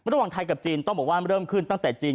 ระหว่างไทยกับจีนต้องบอกว่าเริ่มขึ้นตั้งแต่จีน